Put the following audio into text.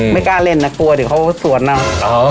ไม่กล้าเล่นน่ะคลั่วที่เขาสวนเอาอ่อ